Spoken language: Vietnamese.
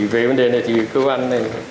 về vấn đề này thì cơ quan